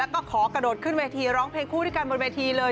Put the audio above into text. ก็ขอกระโดดขึ้นเวทีร้องเพลงคู่ด้วยกันบนเวทีเลย